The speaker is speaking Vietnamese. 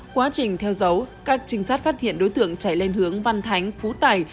quá trình theo dấu các trinh sát phát hiện đối tượng chạy lên hướng văn thánh phú tài